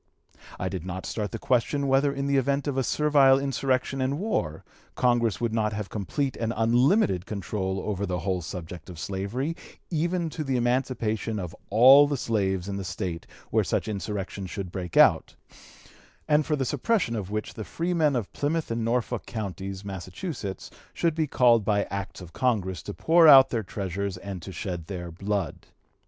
I did not start the question whether in the event of a servile insurrection and war, Congress would not have complete unlimited control over the whole subject of slavery, even to the emancipation of all the slaves in the State where such insurrection should break out, and for the suppression of which the freemen of Plymouth and Norfolk counties, Massachusetts, should be called by Acts of Congress to pour out their treasures and to shed their blood.